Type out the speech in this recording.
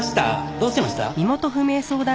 どうしました？